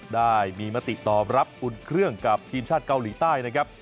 ได้มีมติตอบรับอุ่นเครื่องกับทีมชาติเกาหลีใต้นะครับ